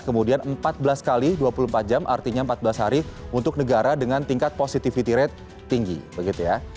kemudian empat belas x dua puluh empat jam artinya empat belas hari untuk negara dengan tingkat positivity rate tinggi begitu ya